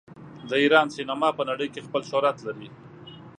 د ایران سینما په نړۍ کې خپل شهرت لري.